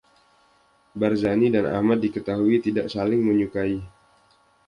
Barzani dan Ahmad diketahui tidak saling menyukai.